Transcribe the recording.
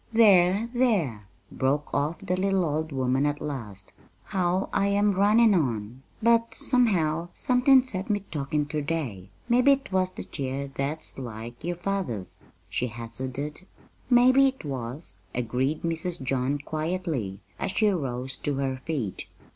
"There, there," broke off the little old woman at last, "how I am runnin' on! But, somehow, somethin' set me to talkin' ter day. Mebbe't was that chair that's like yer father's," she hazarded. "Maybe it was," agreed Mrs. John quietly, as she rose to her feet.